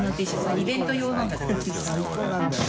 イベント用なんだけど。